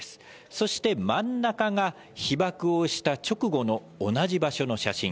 そして真ん中が、被爆をした直後の同じ場所の写真。